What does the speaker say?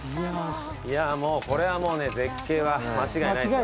いやもうこれはもうね絶景は間違いないですよ。